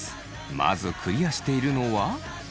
まずクリアしているのは。